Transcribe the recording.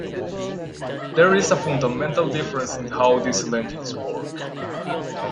There is a fundamental difference in how a diesel engine works.